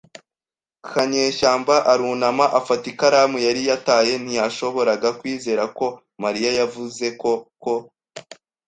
Kanyeshyamba arunama afata ikaramu yari yataye ntiyashoboraga kwizera ko Mariya yabivuze koko.